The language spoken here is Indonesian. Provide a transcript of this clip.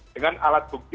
dengan alat bukti